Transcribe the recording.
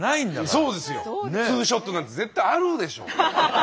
そうですよツーショットなんて絶対あるでしょ。